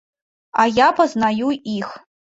А я пазнаю іх.